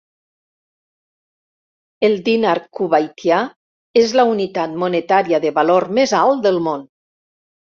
El dinar kuwaitià és la unitat monetària de valor més alt del món.